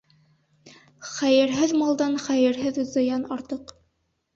Хәйерһеҙ малдан хәйерһеҙ зыян артыҡ.